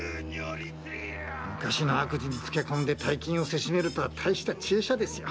昔の悪事につけ込んで大金をせしめるとは大した知恵者ですよ。